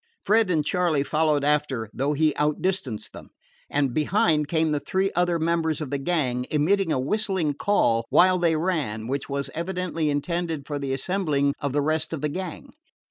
Fred and Charley followed after, though he outdistanced them, and behind came the three other members of the gang, emitting a whistling call while they ran which was evidently intended for the assembling of the rest of the band.